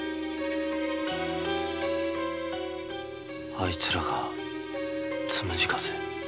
あいつらが「つむじ風」。